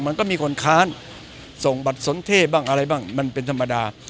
มันก็มีคนค้านส่งบัตรสนเท่บ้างอะไรบ้างมันเป็นธรรมดา